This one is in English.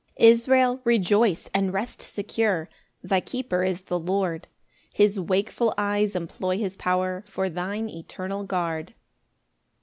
4 Israel, rejoice and rest secure, Thy keeper is the Lord; His wakeful eyes employ his power For thine eternal guard.